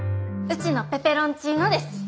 うちのペペロンチーノです。